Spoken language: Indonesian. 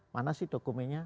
mana sih dokumennya